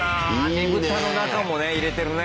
ねぶたの中もね入れてるね。